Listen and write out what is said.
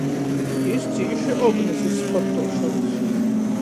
Jis cīši ognys iz sportuošonys.